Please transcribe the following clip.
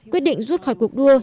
quyết định rút khỏi cuộc đua